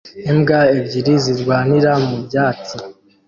Imbwa ebyiri zirwanira mu byatsi